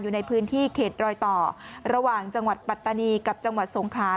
อยู่ในพื้นที่เขตรอยต่อระหว่างจังหวัดปัตตานีกับจังหวัดสงคราน